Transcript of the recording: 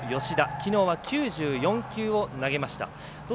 きのうは９４球を投げました。